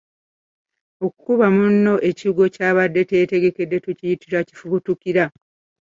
Okukuba munno ekigwo ky’abadde teyeetegedde tukiyita Kufubutukira.